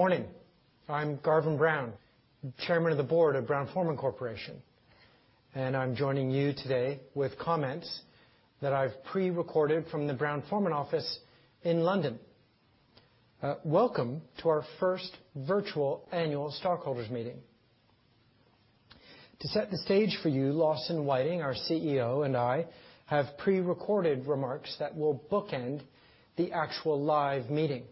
Morning. I'm Garvin Brown, Chairman of the Board of Brown-Forman Corporation, and I'm joining you today with comments that I've pre-recorded from the Brown-Forman office in London. Welcome to our first virtual annual stockholders meeting. To set the stage for you, Lawson Whiting, our CEO, and I have pre-recorded remarks that will bookend the actual live meeting.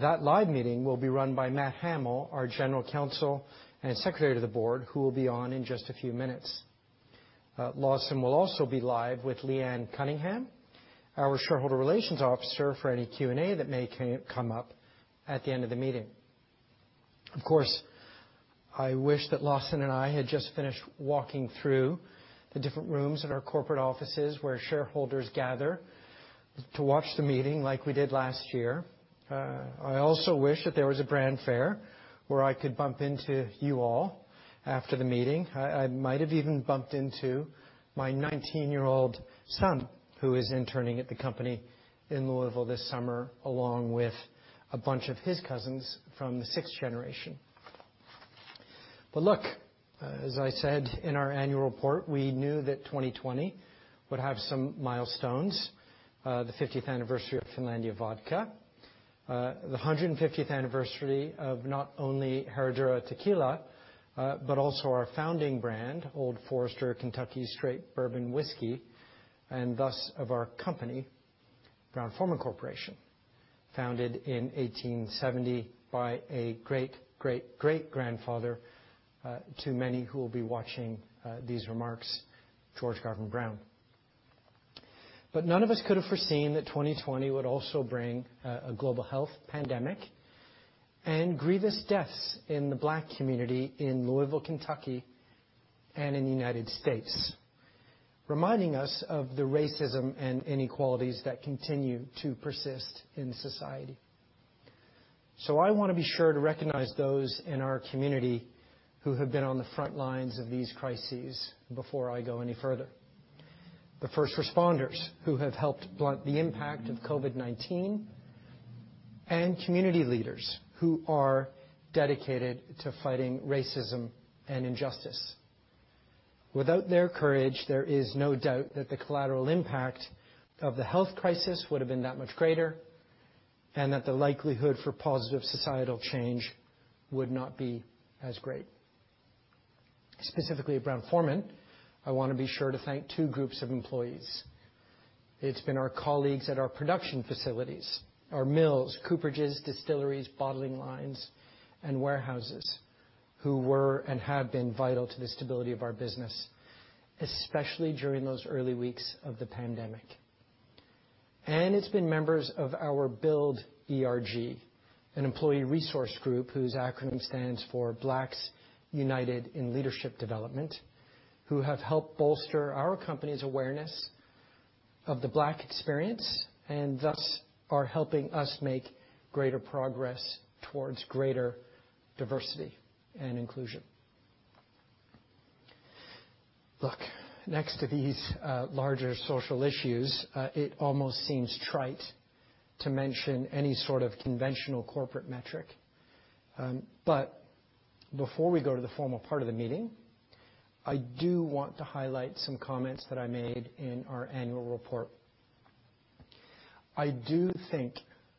That live meeting will be run by Matt Hamel, our General Counsel and Secretary to the Board, who will be on in just a few minutes. Lawson will also be live with Leanne Cunningham, our Shareholder Relations Officer, for any Q&A that may come up at the end of the meeting. Of course, I wish that Lawson and I had just finished walking through the different rooms at our corporate offices where shareholders gather to watch the meeting like we did last year. I also wish that there was a brand fair where I could bump into you all after the meeting. I might have even bumped into my 19-year-old son, who is interning at the company in Louisville this summer, along with a bunch of his cousins from the sixth generation. Look, as I said in our annual report, we knew that 2020 would have some milestones, the 50th anniversary of Finlandia Vodka, the 150th anniversary of not only Herradura Tequila, but also our founding brand, Old Forester Kentucky Straight Bourbon Whisky, and thus of our company, Brown-Forman Corporation, founded in 1870 by a great, great grandfather to many who will be watching these remarks, George Garvin Brown. None of us could have foreseen that 2020 would also bring a global health pandemic and grievous deaths in the Black community in Louisville, Kentucky, and in the United States, reminding us of the racism and inequalities that continue to persist in society. I want to be sure to recognize those in our community who have been on the front lines of these crises before I go any further. The first responders who have helped blunt the impact of COVID-19, and community leaders who are dedicated to fighting racism and injustice. Without their courage, there is no doubt that the collateral impact of the health crisis would have been that much greater and that the likelihood for positive societal change would not be as great. Specifically at Brown-Forman, I want to be sure to thank two groups of employees. It's been our colleagues at our production facilities, our mills, cooperages, distilleries, bottling lines, and warehouses who were and have been vital to the stability of our business, especially during those early weeks of the pandemic. It's been members of our BUILD ERG, an employee resource group whose acronym stands for Blacks United in Leadership Development, who have helped bolster our company's awareness of the Black experience and thus are helping us make greater progress towards greater diversity and inclusion. Look, next to these larger social issues, it almost seems trite to mention any sort of conventional corporate metric. Before we go to the formal part of the meeting, I do want to highlight some comments that I made in our annual report. I do think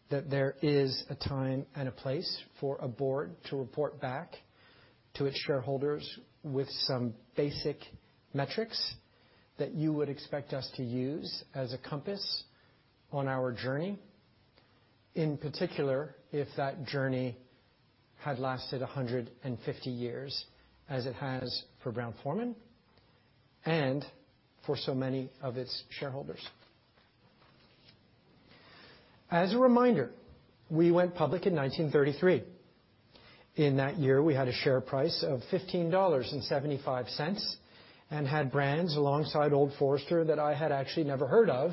that there is a time and a place for a board to report back to its shareholders with some basic metrics that you would expect us to use as a compass on our journey. In particular, if that journey had lasted 150 years, as it has for Brown-Forman and for so many of its shareholders. As a reminder, we went public in 1933. In that year, we had a share price of $15.75 and had brands alongside Old Forester that I had actually never heard of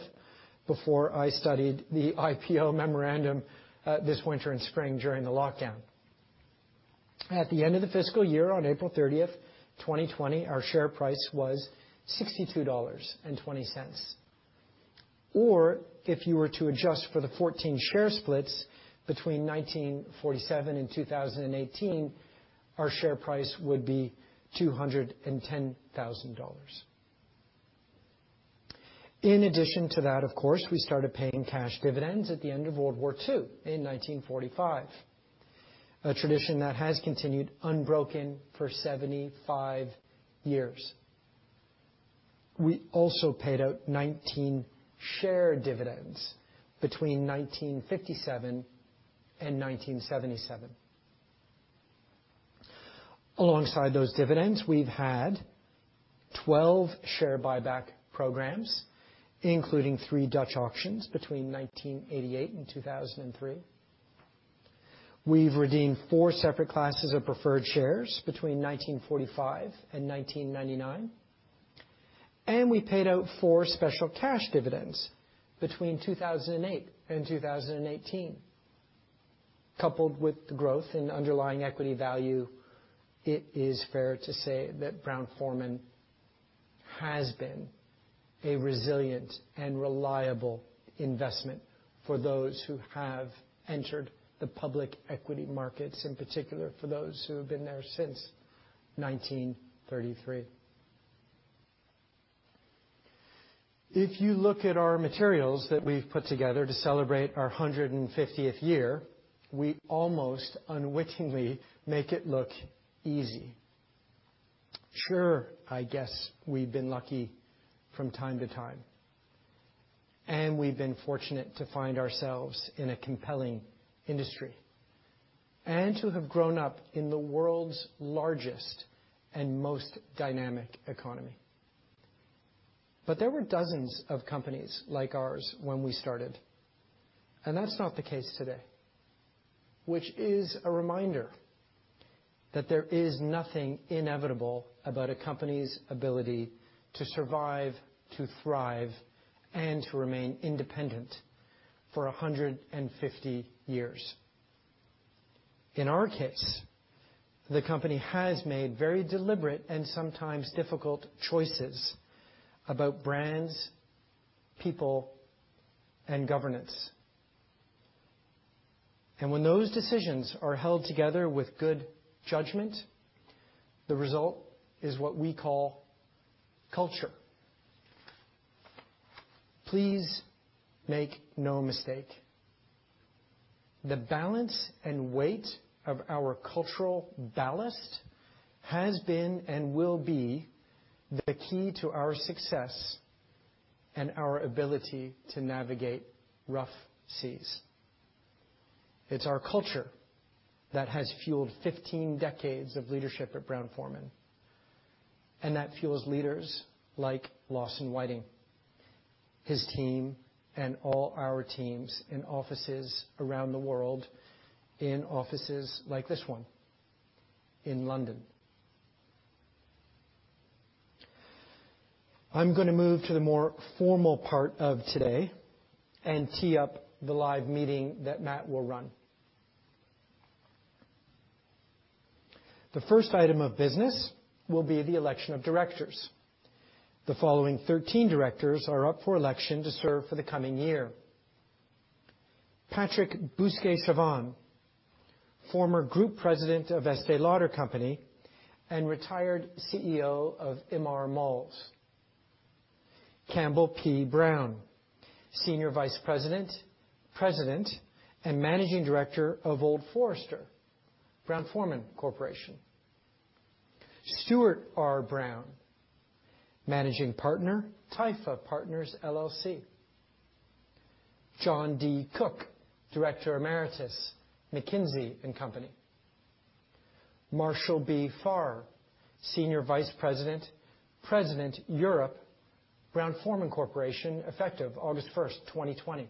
before I studied the IPO memorandum this winter and spring during the lockdown. At the end of the fiscal year on April 30th, 2020, our share price was $62.20. If you were to adjust for the 14 share splits between 1947 and 2018, our share price would be $210,000. In addition to that, of course, we started paying cash dividends at the end of World War II in 1945, a tradition that has continued unbroken for 75 years. We also paid out 19 share dividends between 1957 and 1977. Alongside those dividends, we've had 12 share buyback programs, including three Dutch auctions between 1988 and 2003. We've redeemed four separate classes of preferred shares between 1945 and 1999, and we paid out four special cash dividends between 2008 and 2018. Coupled with the growth in underlying equity value, it is fair to say that Brown-Forman has been a resilient and reliable investment for those who have entered the public equity markets, in particular, for those who have been there since 1933. If you look at our materials that we've put together to celebrate our 150th year, we almost unwittingly make it look easy. Sure, I guess we've been lucky from time to time, and we've been fortunate to find ourselves in a compelling industry, and to have grown up in the world's largest and most dynamic economy. There were dozens of companies like ours when we started, and that's not the case today, which is a reminder that there is nothing inevitable about a company's ability to survive, to thrive, and to remain independent for 150 years. In our case, the company has made very deliberate and sometimes difficult choices about brands, people, and governance. When those decisions are held together with good judgment, the result is what we call culture. Please make no mistake. The balance and weight of our cultural ballast has been and will be the key to our success and our ability to navigate rough seas. It's our culture that has fueled 15 decades of leadership at Brown-Forman, and that fuels leaders like Lawson Whiting, his team, and all our teams in offices around the world, in offices like this one, in London. I'm going to move to the more formal part of today and tee up the live meeting that Matt will run. The first item of business will be the election of directors. The following 13 directors are up for election to serve for the coming year. Patrick Bousquet-Chavanne, former Group President of The Estée Lauder Company and retired CEO of Emaar Malls. Campbell P. Brown, Senior Vice President, and Managing Director of Old Forester, Brown-Forman Corporation. Stuart R. Brown, Managing Partner, Typha Partners, LLC. John D. Cook, Director Emeritus, McKinsey & Company. Marshall B. Farrer, Senior Vice President, Europe, Brown-Forman Corporation, effective August 1st, 2020.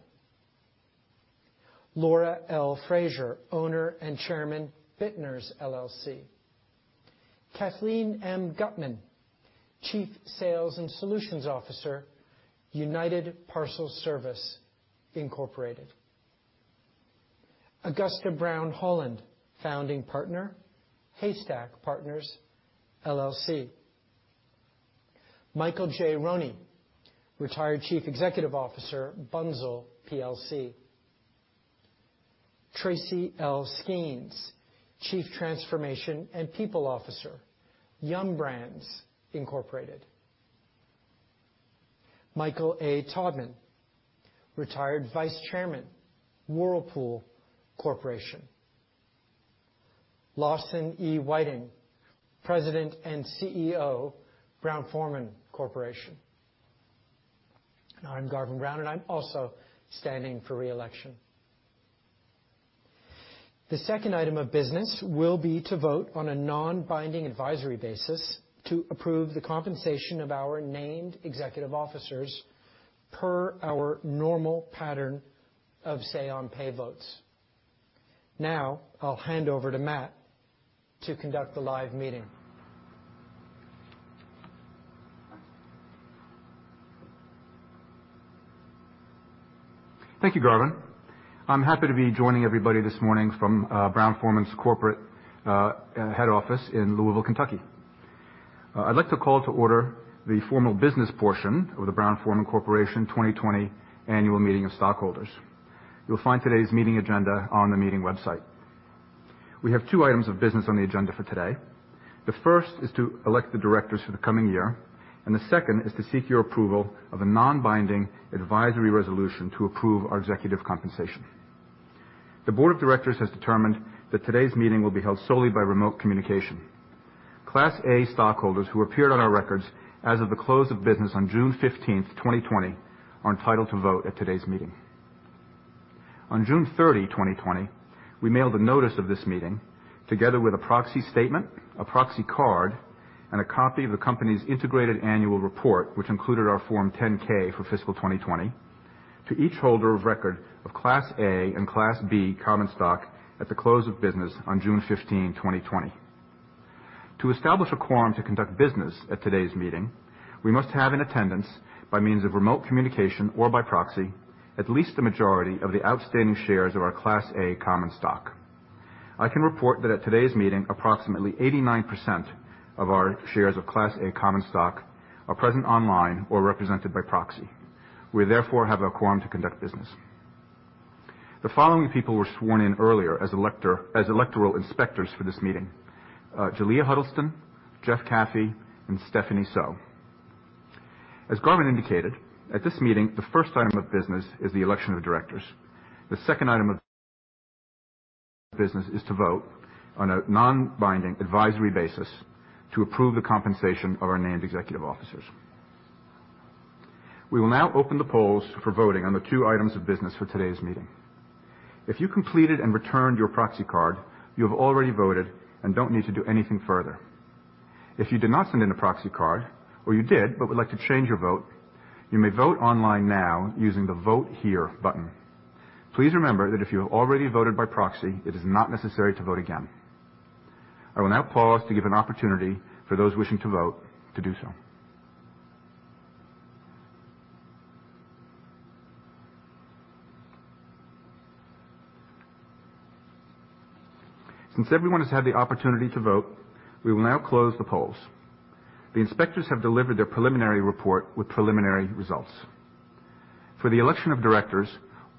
Laura L. Frazier, Owner and Chairman, Bittners, LLC. Kathleen M. Gutmann, Chief Sales and Solutions Officer, United Parcel Service, Incorporated. Augusta Brown Holland, Founding Partner, Haystack Partners, LLC. Michael J. Roney, Retired Chief Executive Officer, Bunzl plc. Tracy L. Skeans, Chief Transformation and People Officer, Yum! Brands, Incorporated. Michael A. Todman, Retired Vice Chairman, Whirlpool Corporation. Lawson E. Whiting, President and CEO, Brown-Forman Corporation. I'm Garvin Brown, and I'm also standing for re-election. The second item of business will be to vote on a non-binding advisory basis to approve the compensation of our named executive officers per our normal pattern of say on pay votes. I'll hand over to Matt to conduct the live meeting. Thank you, Garvin. I'm happy to be joining everybody this morning from Brown-Forman's corporate head office in Louisville, Kentucky. I'd like to call to order the formal business portion of the Brown-Forman Corporation 2020 annual meeting of stockholders. You'll find today's meeting agenda on the meeting website. We have two items of business on the agenda for today. The first is to elect the directors for the coming year, and the second is to seek your approval of a non-binding advisory resolution to approve our executive compensation. The board of directors has determined that today's meeting will be held solely by remote communication. Class A stockholders who appeared on our records as of the close of business on June 15th, 2020, are entitled to vote at today's meeting. On June 30, 2020, we mailed a notice of this meeting together with a proxy statement, a proxy card, and a copy of the company's integrated annual report, which included our Form 10-K for fiscal 2020, to each holder of record of Class A and Class B common stock at the close of business on June 15, 2020. To establish a quorum to conduct business at today's meeting, we must have in attendance by means of remote communication or by proxy, at least the majority of the outstanding shares of our Class A common stock. I can report that at today's meeting, approximately 89% of our shares of Class A common stock are present online or represented by proxy. We therefore have a quorum to conduct business. The following people were sworn in earlier as electoral inspectors for this meeting, Jaileah Huddleston, Jeff Caffey, and Stephanie So. As Garvin indicated, at this meeting, the first item of business is the election of directors. The second item of business is to vote on a non-binding advisory basis to approve the compensation of our named executive officers. We will now open the polls for voting on the two items of business for today's meeting. If you completed and returned your proxy card, you have already voted and don't need to do anything further. If you did not send in a proxy card, or you did but would like to change your vote, you may vote online now using the Vote Here button. Please remember that if you have already voted by proxy, it is not necessary to vote again. I will now pause to give an opportunity for those wishing to vote to do so. Since everyone has had the opportunity to vote, we will now close the polls. The inspectors have delivered their preliminary report with preliminary results. For the election of directors,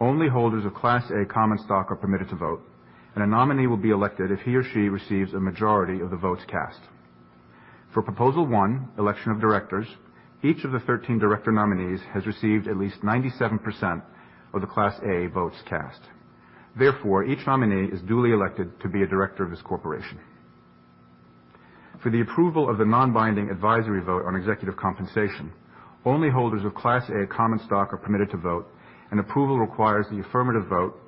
only holders of Class A common stock are permitted to vote, and a nominee will be elected if he or she receives a majority of the votes cast. For Proposal One, election of directors, each of the 13 director nominees has received at least 97% of the Class A votes cast. Therefore, each nominee is duly elected to be a director of this corporation. For the approval of the non-binding advisory vote on executive compensation, only holders of Class A common stock are permitted to vote, and approval requires the affirmative vote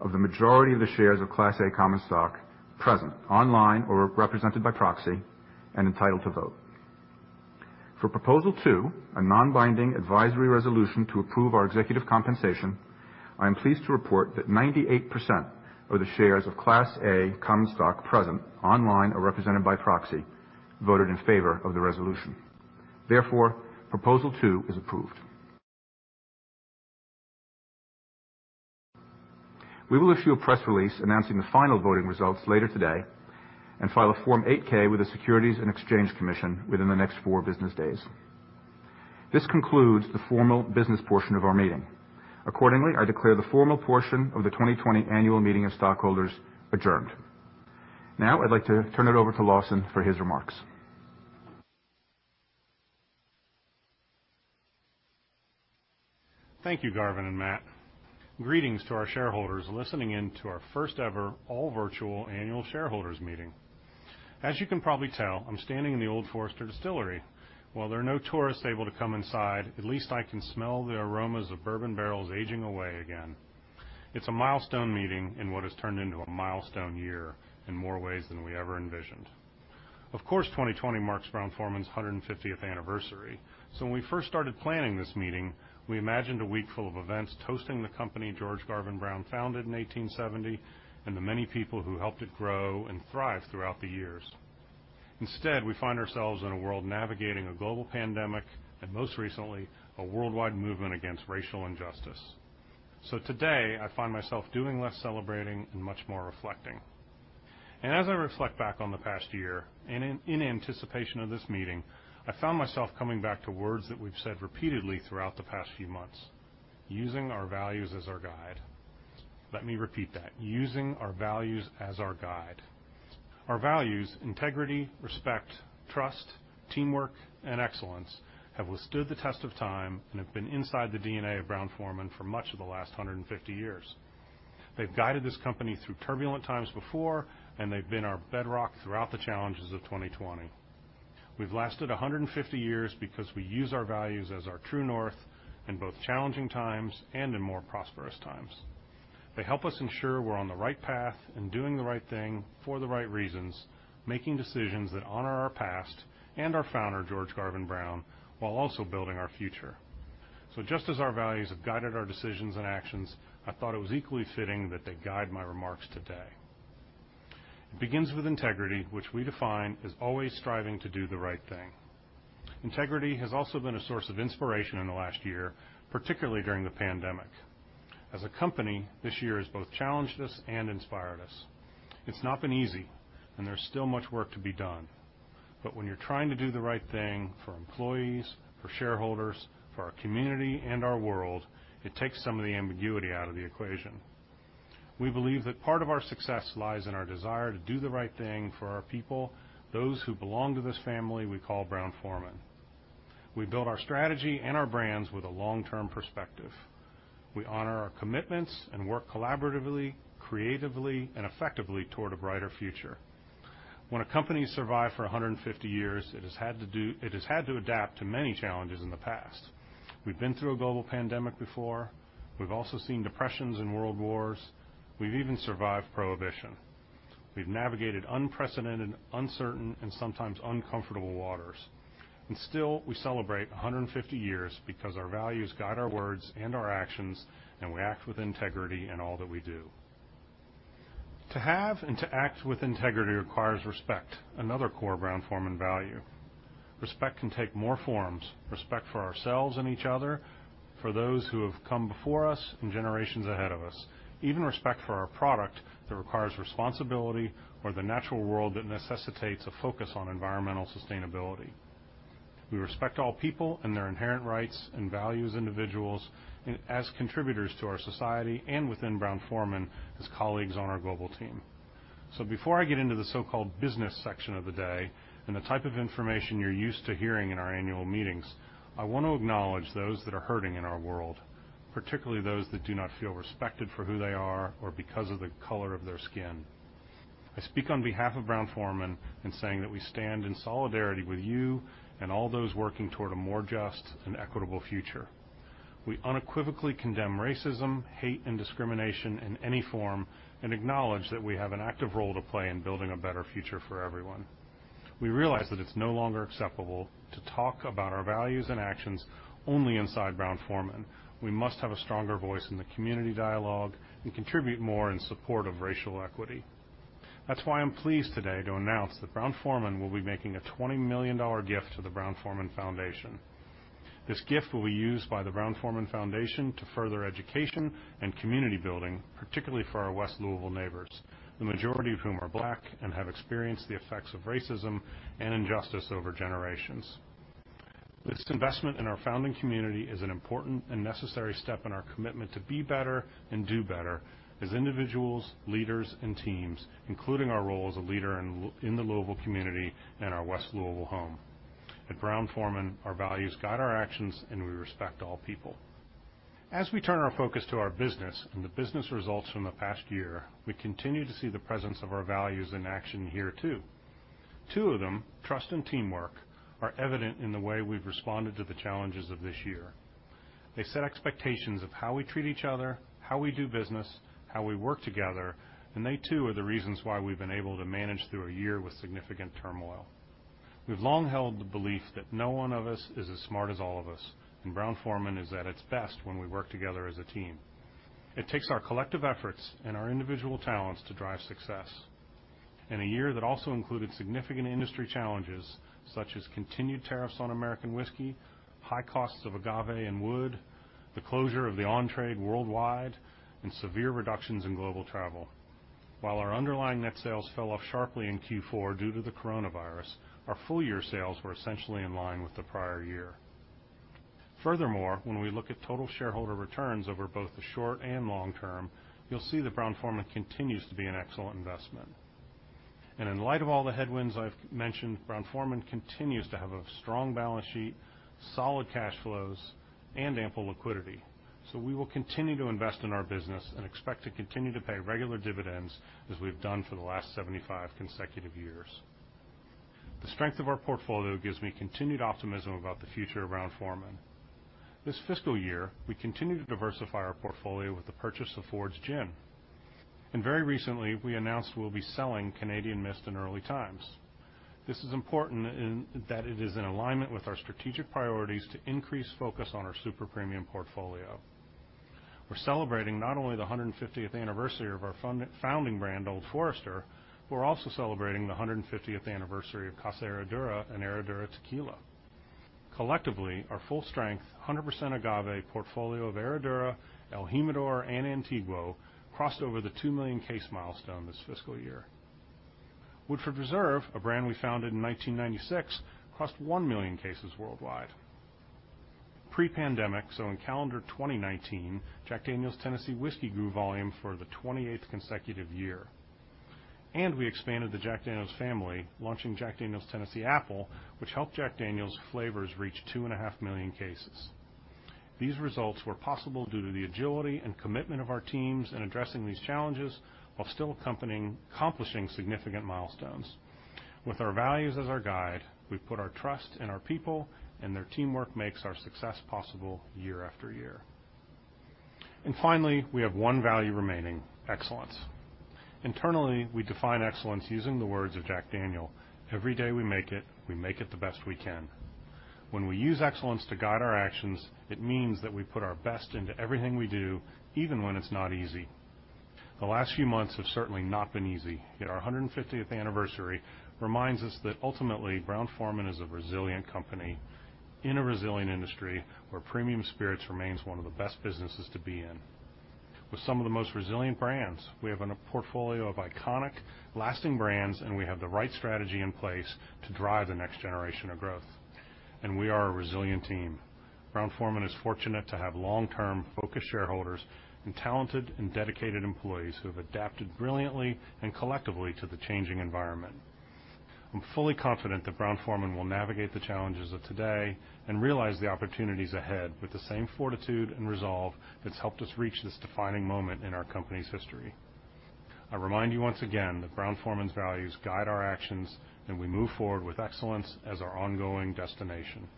of the majority of the shares of Class A common stock present, online or represented by proxy, and entitled to vote. For Proposal Two, a non-binding advisory resolution to approve our executive compensation, I am pleased to report that 98% of the shares of Class A common stock present, online, or represented by proxy, voted in favor of the resolution. Proposal Two is approved. We will issue a press release announcing the final voting results later today and file a Form 8-K with the Securities and Exchange Commission within the next four business days. This concludes the formal business portion of our meeting. I declare the formal portion of the 2020 annual meeting of stockholders adjourned. I'd like to turn it over to Lawson for his remarks. Thank you, Garvin and Matt. Greetings to our shareholders listening in to our first ever all virtual annual shareholders meeting. As you can probably tell, I'm standing in the Old Forester Distillery. While there are no tourists able to come inside, at least I can smell the aromas of bourbon barrels aging away again. It's a milestone meeting in what has turned into a milestone year in more ways than we ever envisioned. Of course, 2020 marks Brown-Forman's 150th anniversary. When we first started planning this meeting, we imagined a week full of events toasting the company George Garvin Brown founded in 1870 and the many people who helped it grow and thrive throughout the years. Instead, we find ourselves in a world navigating a global pandemic, and most recently, a worldwide movement against racial injustice. Today, I find myself doing less celebrating and much more reflecting. As I reflect back on the past year and in anticipation of this meeting, I found myself coming back to words that we've said repeatedly throughout the past few months, using our values as our guide. Let me repeat that. Using our values as our guide. Our values, integrity, respect, trust, teamwork, and excellence have withstood the test of time and have been inside the DNA of Brown-Forman for much of the last 150 years. They've guided this company through turbulent times before, and they've been our bedrock throughout the challenges of 2020. We've lasted 150 years because we use our values as our true north in both challenging times and in more prosperous times. They help us ensure we're on the right path and doing the right thing for the right reasons, making decisions that honor our past and our founder, George Garvin Brown, while also building our future. Just as our values have guided our decisions and actions, I thought it was equally fitting that they guide my remarks today. It begins with integrity, which we define as always striving to do the right thing. Integrity has also been a source of inspiration in the last year, particularly during the pandemic. As a company, this year has both challenged us and inspired us. It's not been easy, and there's still much work to be done. When you're trying to do the right thing for employees, for shareholders, for our community and our world, it takes some of the ambiguity out of the equation. We believe that part of our success lies in our desire to do the right thing for our people, those who belong to this family we call Brown-Forman. We build our strategy and our brands with a long-term perspective. We honor our commitments and work collaboratively, creatively, and effectively toward a brighter future. When a company has survived for 150 years, it has had to adapt to many challenges in the past. We've been through a global pandemic before. We've also seen depressions and world wars. We've even survived Prohibition. We've navigate unpresidented, uncertain, and sometimes uncomfortable waters. Still, we celebrate 150 years because our values guide our words and our actions, and we act with integrity in all that we do. To have and to act with integrity requires respect, another core Brown-Forman value. Respect can take more forms, respect for ourselves and each other, for those who have come before us, and generations ahead of us. Even respect for our product that requires responsibility or the natural world that necessitates a focus on environmental sustainability. We respect all people and their inherent rights and value as individuals and as contributors to our society and within Brown-Forman as colleagues on our global team. Before I get into the so-called business section of the day, and the type of information you're used to hearing in our annual meetings, I want to acknowledge those that are hurting in our world, particularly those that do not feel respected for who they are or because of the color of their skin. I speak on behalf of Brown-Forman in saying that we stand in solidarity with you and all those working toward a more just and equitable future. We unequivocally condemn racism, hate, and discrimination in any form and acknowledge that we have an active role to play in building a better future for everyone. We realize that it's no longer acceptable to talk about our values and actions only inside Brown-Forman. We must have a stronger voice in the community dialogue and contribute more in support of racial equity. That's why I'm pleased today to announce that Brown-Forman will be making a $20 million gift to the Brown-Forman Foundation. This gift will be used by the Brown-Forman Foundation to further education and community building, particularly for our West Louisville neighbors, the majority of whom are Black and have experienced the effects of racism and injustice over generations. This investment in our founding community is an important and necessary step in our commitment to be better and do better as individuals, leaders, and teams, including our role as a leader in the Louisville community and our West Louisville home. At Brown-Forman, our values guide our actions, and we respect all people. As we turn our focus to our business and the business results from the past year, we continue to see the presence of our values in action here, too. Two of them, trust and teamwork, are evident in the way we've responded to the challenges of this year. They set expectations of how we treat each other, how we do business, how we work together, and they, too, are the reasons why we've been able to manage through a year with significant turmoil. We've long held the belief that no one of us is as smart as all of us, and Brown-Forman is at its best when we work together as a team. It takes our collective efforts and our individual talents to drive success. In a year that also included significant industry challenges such as continued tariffs on American whiskey, high costs of agave and wood, the closure of the on-trade worldwide, and severe reductions in global travel. While our underlying net sales fell off sharply in Q4 due to the coronavirus, our full-year sales were essentially in line with the prior year. Furthermore, when we look at total shareholder returns over both the short and long term, you'll see that Brown-Forman continues to be an excellent investment. In light of all the headwinds I've mentioned, Brown-Forman continues to have a strong balance sheet, solid cash flows, and ample liquidity. We will continue to invest in our business and expect to continue to pay regular dividends as we've done for the last 75 consecutive years. The strength of our portfolio gives me continued optimism about the future of Brown-Forman. This fiscal year, we continue to diversify our portfolio with the purchase of Fords Gin. Very recently, we announced we'll be selling Canadian Mist and Early Times. This is important in that it is in alignment with our strategic priorities to increase focus on our super premium portfolio. We're celebrating not only the 150th anniversary of our founding brand, Old Forester, we're also celebrating the 150th anniversary of Casa Herradura and Herradura Tequila. Collectively, our full-strength, 100% agave portfolio of Herradura, el Jimador, and Antiguo crossed over the 2 million case milestone this fiscal year. Woodford Reserve, a brand we founded in 1996, crossed 1 million cases worldwide. Pre-pandemic, in calendar 2019, Jack Daniel's Tennessee Whiskey grew volume for the 28th consecutive year. We expanded the Jack Daniel's family, launching Jack Daniel's Tennessee Apple, which helped Jack Daniel's flavors reach 2.5 million cases. These results were possible due to the agility and commitment of our teams in addressing these challenges while still accomplishing significant milestones. With our values as our guide, we put our trust in our people, their teamwork makes our success possible year after year. Finally, we have one value remaining, excellence. Internally, we define excellence using the words of Jack Daniel, "Every day we make it, we make it the best we can." When we use excellence to guide our actions, it means that we put our best into everything we do, even when it's not easy. The last few months have certainly not been easy, yet our 150th anniversary reminds us that ultimately, Brown-Forman is a resilient company in a resilient industry where premium spirits remains one of the best businesses to be in. With some of the most resilient brands, we have a portfolio of iconic, lasting brands, and we have the right strategy in place to drive the next generation of growth. We are a resilient team. Brown-Forman is fortunate to have long-term, focused shareholders and talented and dedicated employees who have adapted brilliantly and collectively to the changing environment. I'm fully confident that Brown-Forman will navigate the challenges of today and realize the opportunities ahead with the same fortitude and resolve that's helped us reach this defining moment in our company's history. I remind you once again that Brown-Forman's values guide our actions, and we move forward with excellence as our ongoing destination.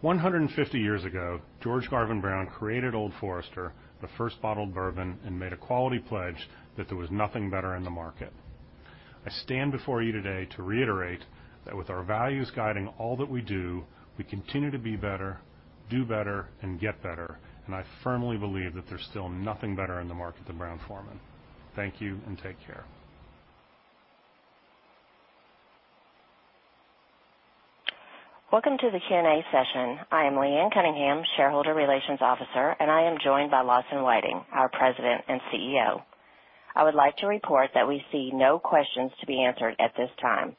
150 years ago, George Garvin Brown created Old Forester, the first bottled bourbon, and made a quality pledge that there was nothing better in the market. I stand before you today to reiterate that with our values guiding all that we do, we continue to be better, do better and get better, and I firmly believe that there's still nothing better in the market than Brown-Forman. Thank you and take care. Welcome to the Q&A session. I am Leanne Cunningham, Shareholder Relations Officer, and I am joined by Lawson Whiting, our President and CEO. I would like to report that we see no questions to be answered at this time.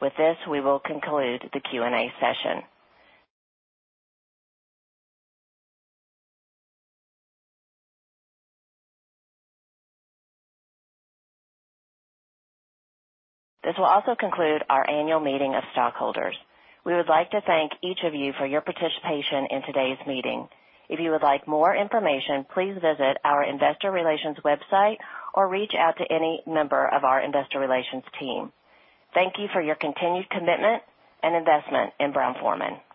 With this, we will conclude the Q&A session. This will also conclude our annual meeting of stockholders. We would like to thank each of you for your participation in today's meeting. If you would like more information, please visit our investor relations website or reach out to any member of our investor relations team. Thank you for your continued commitment and investment in Brown-Forman.